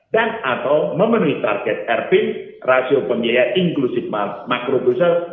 dan atau memenuhi target erpin rasio pembiayaan inklusif makrobrusel